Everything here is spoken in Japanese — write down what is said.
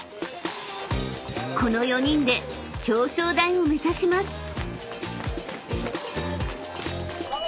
［この４人で表彰台を目指します］